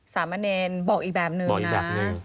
สามเณรบอกอีกแบบนึงนะ